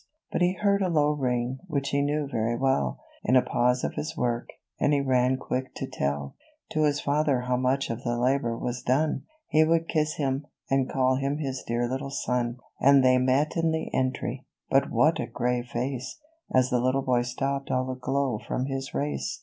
But he heard a low ring, which he knew very well, In a pause of his work, and he ran quick to tell To his father how much of the labor was done : He would kiss him, and call him his dear little son. And they met in the entry, but what a grave face, As the little boy stopped all aglow from his race.